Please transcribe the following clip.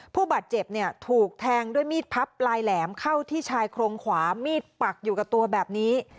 ผู้บาดเจ็บเนี่ยถูกแทงด้วยมีดพับปลายแหลมเข้าที่ชายโครงขวามีดปักอยู่กับตัวแบบนี้